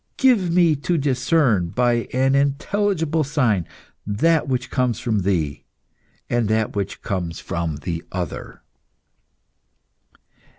Give me to discern, by an intelligible sign, that which comes from Thee, and that which comes from the other."